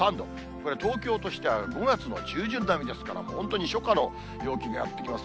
これ、東京都心では５月の中旬並みですから、もう本当に初夏の陽気になってきます。